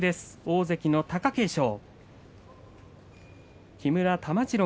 大関の貴景勝。